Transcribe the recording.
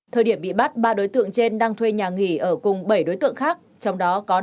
thời điểm bị bắt ba đối tượng trên đang thuê nhà nghỉ ở cùng bảy đối tượng khác trong đó có